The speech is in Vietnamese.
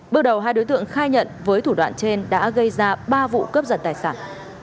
bước đầu hai đối tượng khai nhận với thủ đoạn trên đã gây ra ba vụ cướp giật tài sản